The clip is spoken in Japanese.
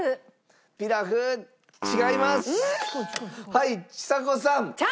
はいちさ子さん。